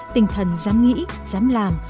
tinh thần dám nghĩ dám làm